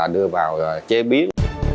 đưa vào rồi chế biến